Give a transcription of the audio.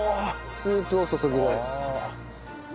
スープを注ぎます。